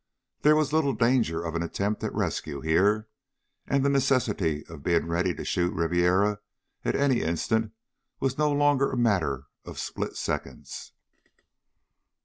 There was little danger of an attempt at rescue here, and the necessity of being ready to shoot Ribiera at any instant was no longer a matter of split seconds.